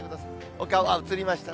お顔、あっ、映りましたね。